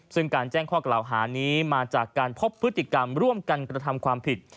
ซึ่งการแจ้งข้อกล่าวหานี้มาจากการพบพฤติกรรมร่วมกันกระทำความผิด